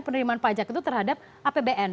penerimaan pajak itu terhadap apbn